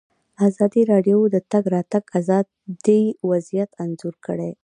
ازادي راډیو د د تګ راتګ ازادي وضعیت انځور کړی.